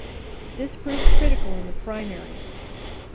This proved critical in the primary.